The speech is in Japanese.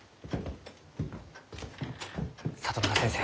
里中先生。